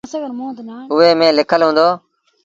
اُئي ميݩ لکل هُݩدو۔